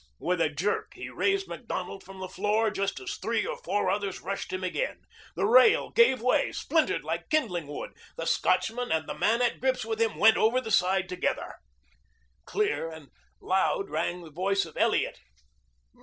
With a jerk he raised Macdonald from the floor just as three or four others rushed him again. The rail gave way, splintered like kindling wood. The Scotchman and the man at grips with him went over the side together. Clear and loud rang the voice of Elliot.